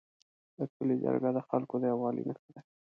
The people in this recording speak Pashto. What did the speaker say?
د کلي جرګه د خلکو د یووالي نښه ده.